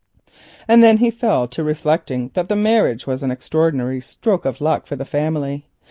And then he fell to reflecting that this marriage would be an extraordinary stroke of luck for the family.